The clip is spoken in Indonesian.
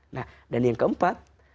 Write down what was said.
nah dan yang keempat